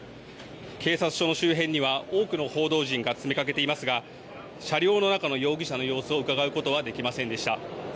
警察署の周辺には多くの報道陣が詰めかけていますが車両の中の容疑者の様子をうかがうことはできませんでした。